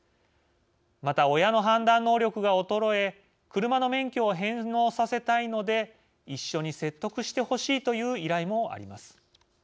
また「親の判断能力が衰え車の免許を返納させたいので一緒に説得してほしい」という依頼もあります。